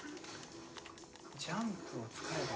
ジャンプを使えば。